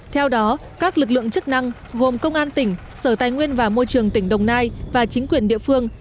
theo đó các lực lượng chức năng gồm công an tỉnh sở tài nguyên và môi trường tỉnh đồng nai và chính quyền địa phương